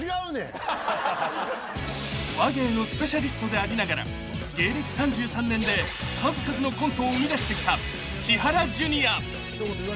［話芸のスペシャリストでありながら芸歴３３年で数々のコントを生みだしてきた千原ジュニア］